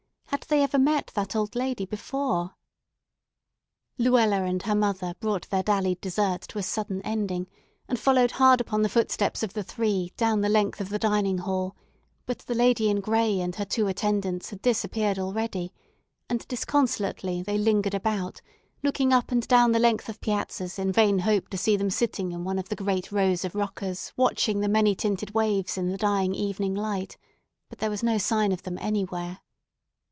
Had they ever met that old lady before? Luella and her mother brought their dallied dessert to a sudden ending, and followed hard upon the footsteps of the three down the length of the dining hall; but the lady in gray and her two attendants had disappeared already, and disconsolately they lingered about, looking up and down the length of piazzas in vain hope to see them sitting in one of the great rows of rockers, watching the many tinted waves in the dying evening light; but there was no sign of them anywhere.